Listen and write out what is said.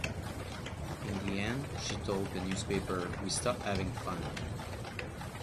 In the end, she told the newspaper: We stopped having fun.